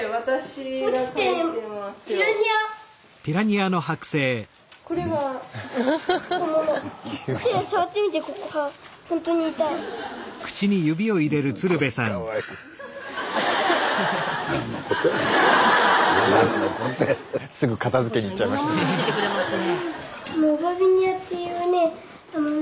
スタジオすぐ片づけに行っちゃいましたね。